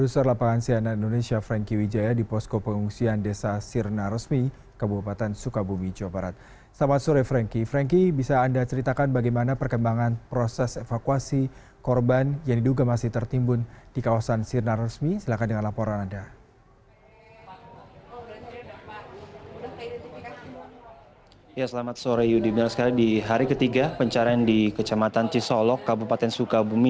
selamat sore di hari ketiga pencarian di kecamatan cisolok kabupaten sukabumi